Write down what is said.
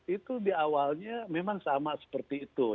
itu di awalnya memang sama seperti itu